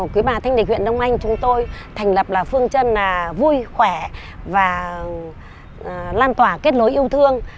quý bà thanh địch huyện đông anh chúng tôi thành lập là phương chân vui khỏe và lan tỏa kết nối yêu thương